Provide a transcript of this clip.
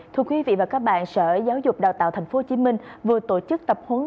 thưa quý vị và các bạn sở giáo dục đào tạo tp hcm vừa tổ chức tập huấn